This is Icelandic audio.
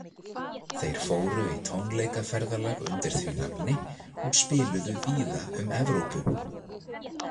Þeir fóru í tónleikaferðalag undir því nafni og spiluðu víða um Evrópu.